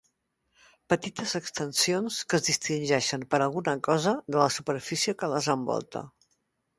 Petites extensions que es distingeixen per alguna cosa de la superfície que les envolta.